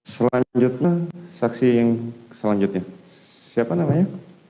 selanjutnya saksi yang selanjutnya siapa namanya